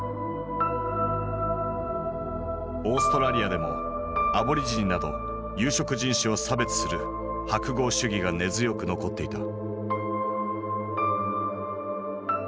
オーストラリアでもアボリジニなど有色人種を差別する白豪主義が根強く残っていた。